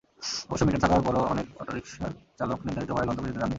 অবশ্য মিটার থাকার পরও অনেক অটোরিকশার চালক নির্ধারিত ভাড়ায় গন্তব্যে যেতে চাননি।